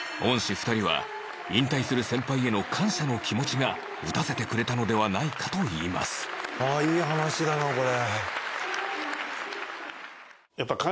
２人は引退する先輩への感謝の気持ちが打たせてくれたのではないかと言います松岡：いい話だな、これ。